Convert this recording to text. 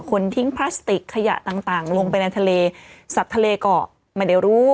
ทิ้งพลาสติกขยะต่างต่างลงไปในทะเลสัตว์ทะเลก็ไม่ได้รู้